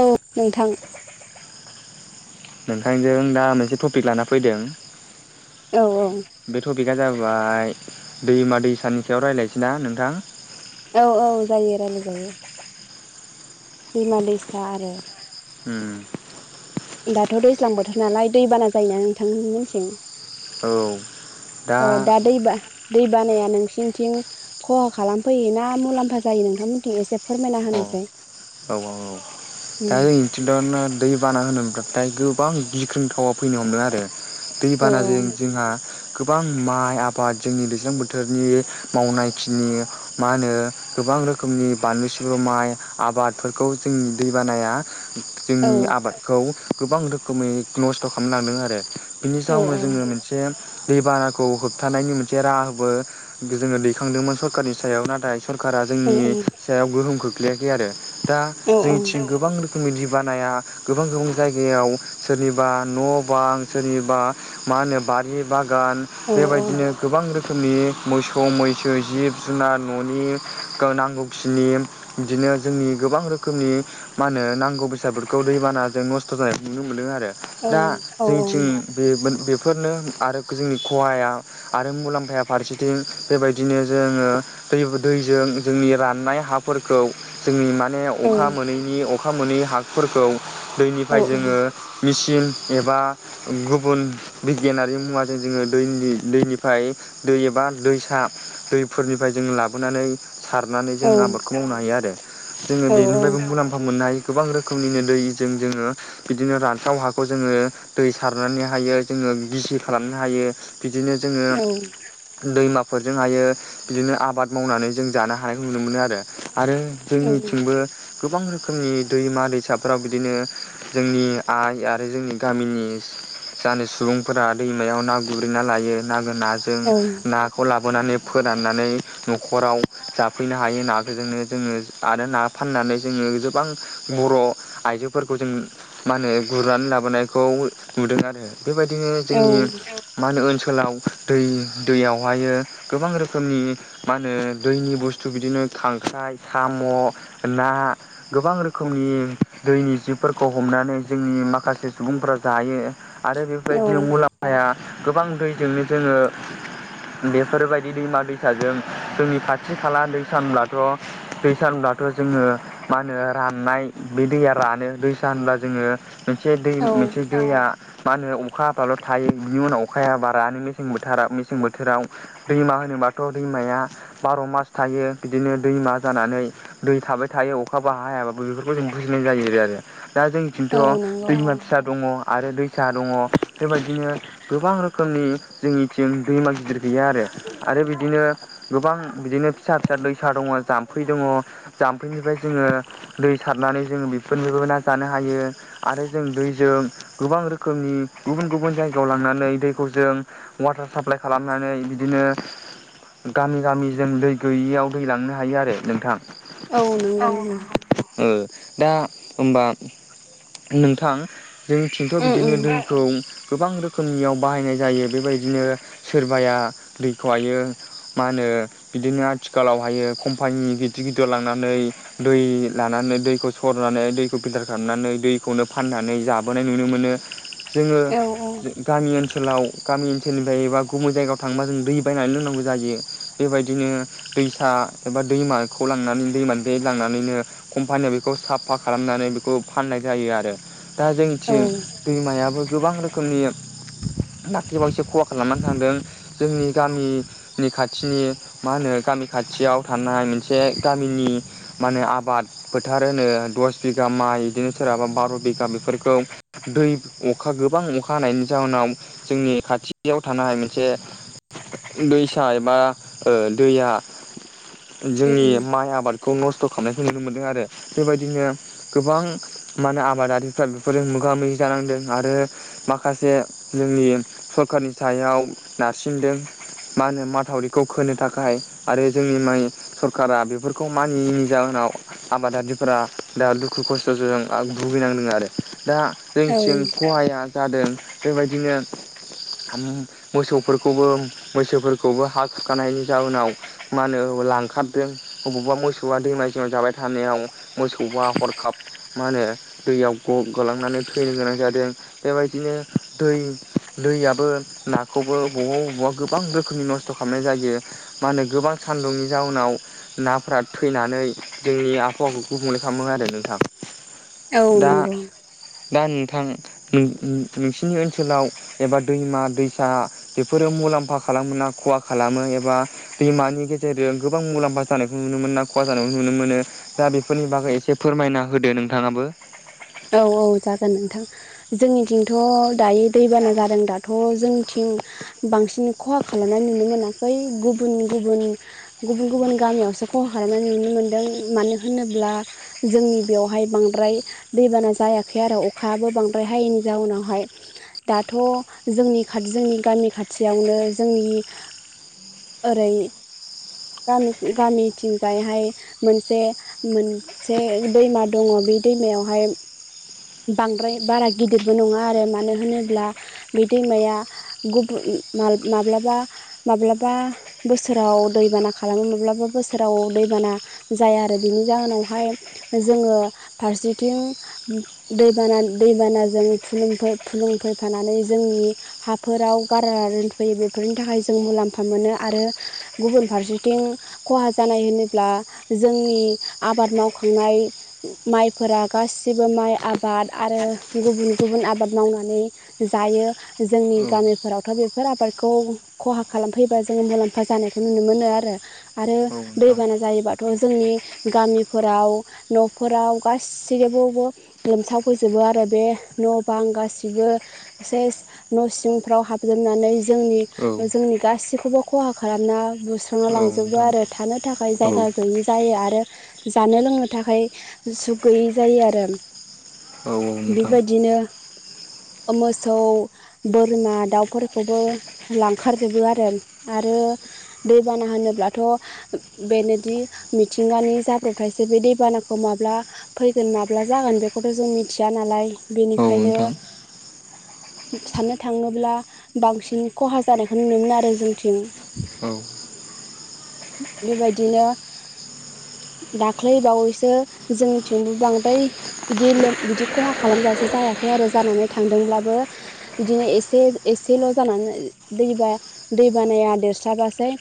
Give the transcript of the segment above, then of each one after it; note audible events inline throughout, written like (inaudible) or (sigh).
औ नोंथां। नोंथांजों दा मोनसे टपिक लाना फैदों। औ बे टपिक आ जाबाय दैमा दैसानि सायाव रायज्लायसै ना नोंथां औ औ जायो रायज्लाय जायो दैमा दैसा आरो। उम दाथ' दैज्लां बोथोर नालाय दैबाना जायोना नोंथां मोननिथिं औ औ दा दैबा दै बानाया नोंसिनिथिं खहा खालामफैयो ना मुलाम्फा जायो नोंथांमोनथिं एसे फोरमायना अ होनायसाय। औ औ औ दा जों थिंथ' दै बाना होनोब्लाथाय गोबां गिख्रंथावा फैनो हमदों आरो। औ दैबानाजों जोंहा गोबां माइ आबाद जोंनि दैज्लां बोथोरनि मावनायखिनि मा होनो गोबां रो खोमनि बानलु सिबु माइ आबादफोरखौ जों दैबानाया औ जोंनि आबाद खौ गोबां रोखोमै नस्थ' खालाम लांदों आरो बिनि औ जाउनाव जोङो मोन से दैबानाखौ होबथानायनि मोनसे राहाबो जोङो दैखांदोंमोन सरखारनि सायाव नाथाय सर कारा औ जोंनि सायाव गोहोम खोख्लैयाखै आरो दा औ जोंनिथिं गोबां रो खोमनि दैबानाया गोबां गोबां जायगायाव सोरनिबा न' बां सोरनिबा मा होनो बारि बागान औ औ बेबायदिनो गोबां रोखोमनि मोसौ मैसो जिब जुनार न'नि गो नांगौखिनि इदिनो जोंनि गोबां रोखोमनि मा होनो नांगौ बेसादफोरखौ दैबानाजों नस्थ' जानाय नुनो मोनदों आरो। दा जोंनिथिं बे बेफोरनो आरो जोंनि खहाया आरो मुलाम्फाया फारसेथिं बेबायदिनो जोङो दै दैजों जोंनि राननाय हाफोरखौ जोंनि माने अखा मोनैनि अखा मोनै हाफोरखौ औ दैनिफ्राय जोङो मिसिन एबा गुबुन बिगियानारि मुवाजों जोङो दैनि दैनिफ्राय दै एबा दैसा दैफोरनिफ्राय जोङ लाबोनानै सारनानै जों आबादखौ मावनो हायो आरो जोङो बेनिफ्रायबो मुलाम्फा मोननो हायो। गोबां रोखोमनिनो दै जों जोङो बिदिनो रानथाव हाखौ जोङो दै सारनानै हायो जोङो गिसि खालामनो हायो। बिदिनो जोङो दैमाफोरजोंहायो इदिनो आबाद मावनानै जों जानो हानायखौ नुनो मोनो आरो आरो जोंनिथिंबो गोबां रोखोमनि दैमा दैसाफ्राव बिदिनो जोंनि आइ आरो जोंनि गामिनि जानि सुबुंफोरा दैमायाव ना गुरैना लायो ना नाजों ना खौ लाबोनानै फोराननानै न'खराव जाफैनो हायो नाखौजोंनो जोङो आरो ना फाननानै जोङो गोबां बर' आइजोफोरखौ जों मा होनो गुरनानै लाबोनायखौ नुदों आरो। बेबायदिनो जोंनि नंगौ मा होनो ओनसोलाव दै दैयावहायो गोबां रोखोमनि मा होनो दैनि बुस्थु बिदिनो खांख्राइ साम' ना गोबां रोखोमनि दैनि जिबफोरखौ हमनानै जोंनि माखासे सुबुंफोरा जायो। आरो बेफोरबायदिनो मुलामफाया गोबां दैजोंनो जोङो बेफोरबायदि दैमा दैसाजों जोंनि खाथि खाला दैसानब्लाथ' दैसानब्लाथ' जोङो मा होनो राननाय बे दैया रानो दैसानब्ला जोङो मोनसे दै मोनसे दैया मा होनो अखा हाबाल' थायो बिनि उनाव अखाया बारानो मेसें बोथोरा मेसें बोथोराव। दैमा होनोबाथ' दैमाया बार' मास थायो बिदिनो दैमा जानानै दै थाबाय थायो अखा बो हाया बेफोरखौ जों बुजिनाय जायो आरो। दा जोंनि खिन्थ' दैमा फिसा दङ आरो दैसा दङ बेबायदिनो गोबां रोखोमनि जोंनिथिं दैमा गिदिर गैया आरो। आरो बिदिनो गोबां बिदिनो फिसा फिसा दैसा दङ जाम्फै दङ। जाम्फैनिफ्राय जोङो दै सारनानै जोङो बेफोरनोबो ना जानो हायो। आरो जों दैजों गोबां रोखोमनि गुबुन गुबुन जायगायाव लांनानै दैखौ जों वाटार साप्लाइ खालामनानै बिदिनो गामि गामि जों दै गैयियाव दै लांनो हायो आरो नोंथां। नंगौ औ नंगौ ओ दा होमबा नोंथां जोंथिं थ' उम बिदिनो उम दैखौ गोबां रोखोमनियाव बाहायनाय जायो। बेबायदिनो सोरबाया दैखौहायो मा होनो बिदिनो आथिखालावहायो कम्पानि गिदिर गिदिर लांनानै दै लानानै दैखौ सरनानै दैखौ फिल्टार खालामनानै दैखौनो फाननानै जाब बो नुनो मोनो। जोङो औ गामि ओनसोलाव गामि ओनसोलनिफ्राय बा गुबुन जायगायाव थांबा जों दै बायनानै लोंनांगौ जायो। बेबायदिनो दैसा एबा दैमाखौ लांनानै दैमानिफ्राय लांनानैनो कम्पानियाव बेखौ साफा खालामनानै बेखौ फाननाय जायो आरो। दा औ जोंनिथिं उम दैमायाबो गोबां रोखोमनि दाख्लै बावैसो खहा खालामनानै थांदों। जोंनि गामि नि खाथिनि मा होनो गामि खाथियाव थानाय मोनसे गामिनि मानो आबाद फोथार होनो दस बिगा माइ बिदिनो सोरहाबा बार' बिगा बेफोरखौ दै अखा गोबां अखा हानायनि जाहोनाव जोंनि खाथियाव थानाय मोनसे दैसा एबा ओ दैया जोंनि उम माइ आबादखौ नस्थ' खालामनायखौ नुनो मोनदों आरो। बेबादिनो गोबां मा होनो आबादारिफ्रा बेफोरजों मोगा मोगि जानांदों आरो माखासे जोंनि सरकारनि सायाव नारसिनदों मा होनो माथावरिखौ खोनो थाखाय आरो जोंनि माइ सरकारा बेफोरखौ मानियैनि जाहोनाव आबादारिफोरा दा दुखु खस्थ'जों भुगिनांदों आरो दा औ जोंनिथिं खहाया जादों बेबायदिनो मोसौफोरखौबो मैसोफोरखौबो हा खुरखानायनि जाउनाव मा होनो लां खारदों अबावबा मोसौआ दैमा जिङाव जाबाय थानायाव मोसौआ हरखाब मा होनो दैयाव ग गलांनानै थैनो गोनां जादों। बेबायदिनो दै दैयाबो नाखौबो बबावबा बबावबा गोबां रोखोमनि नस्थ' थ' खालामनाय जायो मा होनो गोबां सान्दुंनि जाउनाव नाफोरा थैनानै जोंनि आबहावाखौ गुबुंले खालामो आरो नोंथां। औ दा नंगौ दा नोंथां नों नोंसिनि ओनसोलाव एबा दैमा दैसा बेफोरो मुलाम्फा खालामो ना खहा खालामो एबा दैमानि गेजेरजों गोबां मुलाम्फा जानायखौ नुनो मोनो ना खहा जानायखौ नुनो मोनो? दा बेफोरनि बागै एसे फोरमायना होदो नोंथाङाबो। औ औ जागोन नोंथां। जोंनिथिंथ' दायो दैबाना जादों दा थ' जोंनिथिं बांसिन खहा खालामनाय नुनो मोनाखै गुबुन गुबुन गुबुन गुबुन गामियावसो खहा खालामनाय नुनो मोनबाय। मानो होनोब्ला जोंनि बेयावहाय बांद्राय दैबाना जायाखै आरो अखायाबो बांद्राय हायैनि जाउनावहाय। दाथ' जोंनि खाथि जोंनि गामि खाथियावनो जोंनि ओरै गामि गामिथिंजायहाय मोनसे मोनसे दैमा दङ बे दैमायावहाय बांद्राय बारा गिदिरबो नङा आरो। मानो होनोब्ला बे दैमाया गुबुन माब्लाबा माब्लाबा बोसोराव दैबाना खालामो माब्लाबा बोसोराव दैबाना जाया आरो बिनि जाहोनावहाय जोङो फारसे थिं दैबाना दैबानाजों फुलुं फै फुलुं फैफानानै जोंनि हाफोराव गारलाना दोनफैयो। बेफोरनि थाखाय जों मुलाम्फा मोनो आरो गुबुन फारसेथिं खहा जानाय होनोब्ला जोंनि आबाद मावखांनाय माइ फोरा गासिबो माइ आबाद आरो गुबुन गुबुन आबाद मावनानै जायो। जोंनि औ गामिफोरावथ' बेफोर आबादखौ खहा खालामफैबा जोङो मुलाम्फा जानायखौ नुनो मोनो आरो। आरो औ नोंथां दैबाना जायोबाथ' जोंनि गामिफोराव न'फोराव बा सेरावबाबो लोमसावफैजोबो आरो बे न' बां गासिबो सेस न' सिंफ्राव हाबजोबनानै जोंनि औ जोंनि गाैखौबो खहा खालामना बुस्रांना औ लांजोबो नोंथां आरो थानो थाखाय जायगा औ गैयि जायो आरो जानो लोंनो थाखाय सुख गैयि जायो आरो। औ नोंथां बेबायदिनो (inaudible) ओ मोसौ बोरमा दाउफोरखौबो लांखारजोबो आरो आरो दैबाना होनोब्लाथ' बेनोदि मिथिंगानि जाब्रबथायसो बे दैबानाखौ माब्ला फैगोन माब्ला जागोन बेखौथ' जों मिथिया नालाय। औ बेनिखायनो नोंथां साननो थाङोब्ला बांसिन खहा जानायखौ नुनो मोनो आरो जोंनिथिं। औ। बेबायदिनो (inaudible) दाख्लै बावैसो जोंनिथिंबो बांद्राय बिदि लोम बिदि खहा खालामजासे जायाखै आरो जानानै थांदोंब्लाबो बिदिनो एसे एसेल' जानानै दैबा दै बानाया देरस्राबासै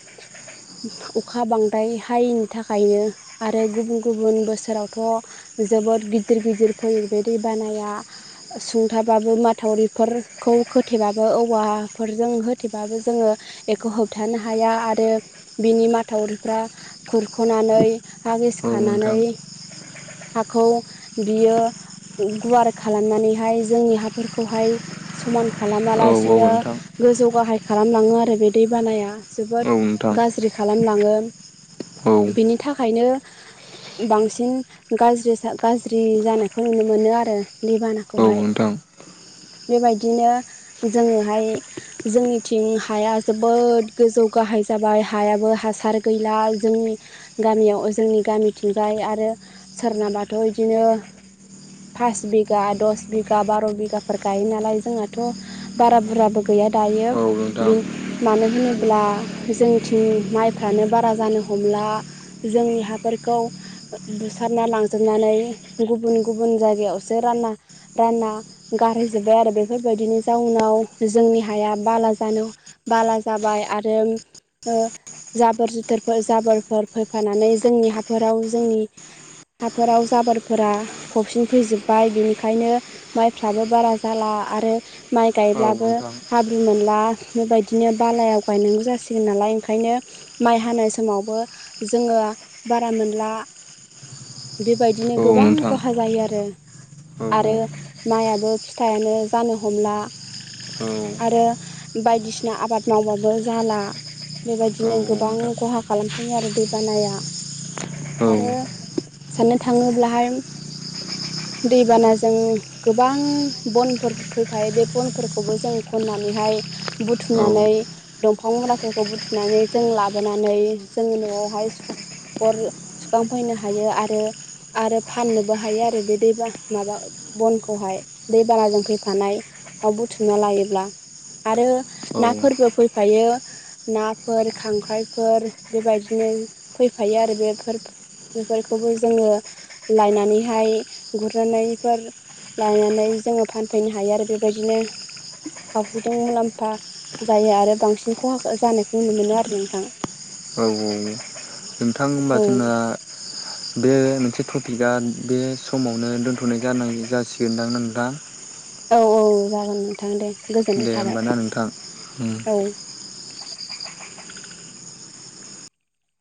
अखा बांद्राय हायैनि थाखायनो आरो गुबुन गुबुन बोसोराव थ' जोबोद गिदिर गिदिर फैयो बे दै बानाया। सुंथाबाबो माथावरिफोरखौ खोथेबाबो औवाफोरजों होथेबाबो जोङो एखौ होबथानो हाया आरो बिनि माथावरिफ्रा खुरख'नानै हा गिसि औ खानानै नोंथां हाखौ बियो गुवार खालामनानैहाय जोंनि हाफोरखौहाय समान औ औ नोंथां औ नोंथां औ नोंथां औ खालामालासिनो नोंथां गोजौ गाहाय खालामलाङो आरो बे दै बानाया औ जोबोद नोंथां गाज्रि खालामलाङो। औ बिनि थाखायनो बांसिन गाज्रि गाज्रि जानायखौ नुनो मोनो आरो दैबानाखौहाय। नोंथां बेबायदिनो जोङोहाय जोंनिथिं हाया जोबोद गोजौ गाहाय जाबाय हायाबो हासार गैला जोंनि गामियाव ओ जोंनि गामिथिंजाय आरो सोरनाबाथ' इदिनो फास बिगा दस बिगा बार' बिगाफोर गायो नालाय जोंनाथ' बारा बुरजाबो गैया दायो बि मानो होनोब्ला जोंथिं माइफ्रानो बारा जानो हमला जोंनि हाफोरखौ ओ बुस खारना लांजोबनानै गुबुन गुबुन जायगायावसो रानना राना गारहैजोबबाय आरो बेफोरबायदिनि जाउनाव जोंनि हाया बाला जानो बाला जाबाय आरो ओ जाबोर जुथोरफोर जाबोरफोर फैफानानै जोंनि हाफोराव जोंनि हाफोराव जाबोरफोरा फबसिन फैजोब्बाय बिनिखायनो माइफ्राबो बारा जाला आरो माइ गायब्लाबो हाब मोनला बेबायदिनो बालायाव गायनांगौ जासिगोन नालाय ओंखायनो माइ हानाय समावबो जोङो बारा मोनला बेबायदिनो गोबां खहा जायो आरो। औ आरो औ माइयाबो फिथाइआनो जानो हमला औ आरो बायदिसिना आबाद मावबाबो जाला। औ बेबायदिनो गोबां नोंथां खहा खालामफैयो आरो दैबानाया आरो साननो थाङोब्लाहाय दैबानाजों गोबां बनफोर फैबायायो बे बनफोरखौबो जों खननानैहाय औ बुथुमनानै दंफां मुराफोरखौ बुथुमनानै जों लाबोनानै जों न'आवहाय सुखां अर सुखांफैनो हायो आरो रो आरो फाननोबो हायो आरो बे दैबा माबा बनखौहाय दैबानाजों फैफानाय आव बुथुमना लायोब्ला आरो औ ना फोरबो फैफायो। नाफोर खांख्राइफोर बेबायदिनो फैफायो आरो बेफोर बेफोरखौबो जोङो लायनानैहाय गुरनाफोर लानानै जोङो फानफैनो हायो आरो बेबायदिनो खावसेजों मुलाम्फा जायो आरो बांसिन खहा जानायखौ नुनो मोनो आरो नोंथां। औ औ नोंथां होनबा औ जोंना बे मोनसे टपिकआ बे समावनो दोनथ'नाय जासिगोनदां नोंथां औ औ जागोन नोंथां दे गोजोननाय दे होमबाना नोंथां उम थाबाय औ।